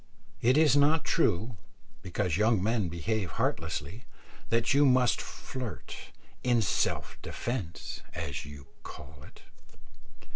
It is not true, because young men behave heartlessly, that you must flirt "in self defence," as you call it.